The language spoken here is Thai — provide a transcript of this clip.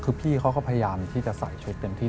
คือพี่เขาก็พยายามที่จะใส่ชุดเต็มที่